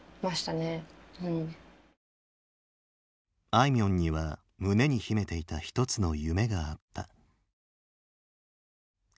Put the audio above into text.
あいみょんには胸に秘めていた一つの夢があった。